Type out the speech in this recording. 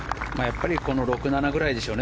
６、７ぐらいでしょうね。